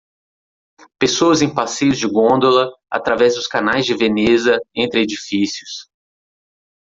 Pessoas em passeios de gôndola através dos canais de Veneza entre edifícios.